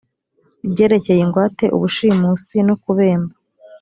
ibyerekeye ingwate, ubushimusi, no kubemba